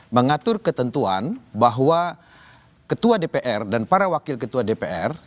mengatur ketentuan bahwa ketua dpr dan para wakil ketua dpr